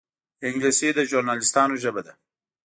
انګلیسي د ژورنالېستانو ژبه ده